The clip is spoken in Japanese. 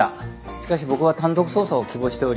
しかし僕は単独捜査を希望しており。